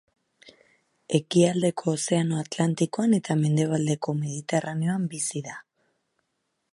Ekialdeko Ozeano Atlantikoan eta mendebaldeko Mediterraneoan bizi da.